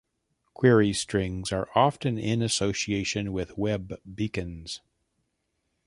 Query strings are often used in association with web beacons.